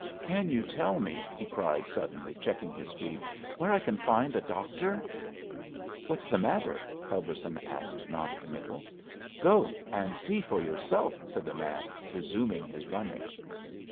"Can you tell me," he cried, suddenly checking his speed, "where I can find a doctor?" "What's the matter?" Helberson asked, non committal. "Go and see for yourself," said the man, resuming his running.